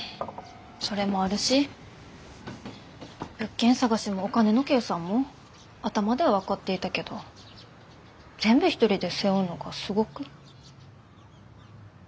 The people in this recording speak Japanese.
それもあるし物件探しもお金の計算も頭では分かっていたけど全部一人で背負うのがすごく。